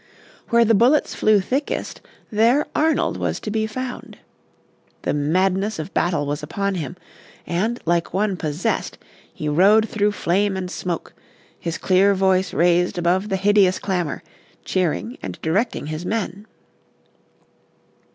Where the bullets flew thickest, there Arnold was to be found. The madness of battle was upon him, and, like one possessed, he rode through flame and smoke, his clear voice raised above the hideous clamour, cheering and directing his men.